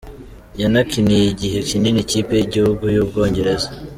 Yanakiniye igihe kinini Ikipe y’Igihugu y’u Bwongereza.